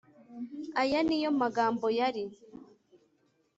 Aya ni yo magambo yari